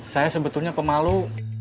saya sebetulnya pemalu